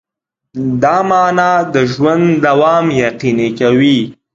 دا مانا د ژوند دوام یقیني کوي.